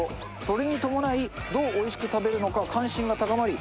それに伴いどうおいしく食べるのか関心が高まり